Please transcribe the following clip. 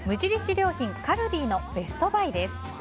良品・カルディのベストバイです。